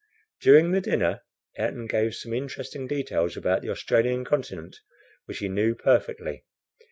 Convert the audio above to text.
During the dinner, Ayrton gave some interesting details about the Australian continent, which he knew perfectly.